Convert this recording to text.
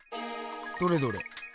どれどれ。